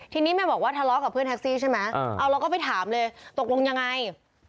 ทีนี้แม่บอกว่าทะเลาะกับเพื่อนแท็กซี่ใช่ไหมเอาเราก็ไปถามเลยตกลงยังไง